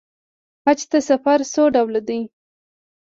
حج ته سفر څو ډوله دی.